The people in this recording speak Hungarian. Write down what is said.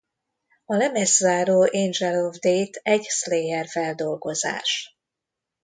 A lemezt záró Angel of Death egy Slayer feldolgozás.